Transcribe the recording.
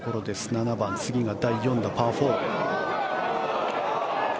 ７番、次が第４打、パー４。